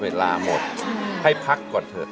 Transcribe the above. เวลาหมดให้พักก่อนเถอะ